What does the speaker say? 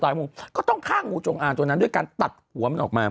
เหมือนหมองูตายมที่ก็ต้องฆ่าหมองูจงอ่านทนั้นด้วยการตัดหัวออกมา